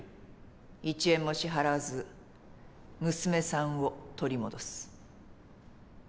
１円も支払わず娘さんを取り戻す。